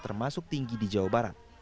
termasuk tinggi di jawa barat